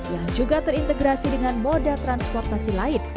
yang juga terintegrasi dengan moda transportasi lain